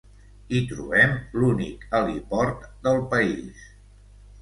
Hi trobem l'únic heliport del país.